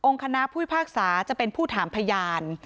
คณะผู้พิพากษาจะเป็นผู้ถามพยาน